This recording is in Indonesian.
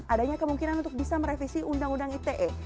adanya kemungkinan untuk bisa merevisi undang undang ite